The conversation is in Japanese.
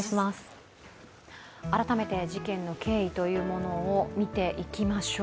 改めて事件の経緯を見ていきましょう。